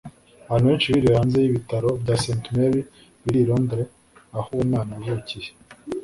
Abantu benshi biriwe hanze y’ibitaro bya St Mary biri i Londres aho uwo mwana yavukiye